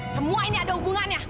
semua ini ada hubungannya